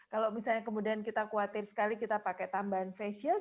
kalau misalnya kemudian kita khawatir sekali kita pakai tambahan face shield